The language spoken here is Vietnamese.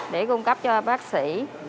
để cung cấp cho bác sĩ